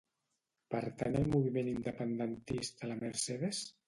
Pertany al moviment independentista la Mercedes?